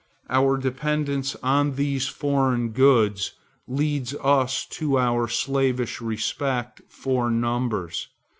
Our dependence on these foreign goods leads us to our slavish respect for numbers.